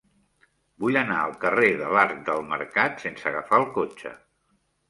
Vull anar al carrer de l'Arc del Mercat sense agafar el cotxe.